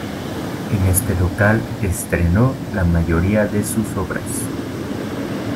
En este local estrenó la mayoría de sus obras.